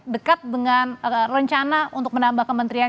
dekat dengan rencana untuk menambah kementerian